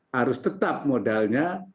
harus tetap modalnya